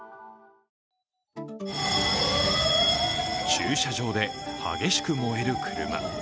駐車場で激しく燃える車。